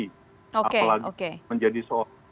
apalagi menjadi soal